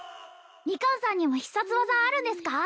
ミカンさんにも必殺技あるんですか？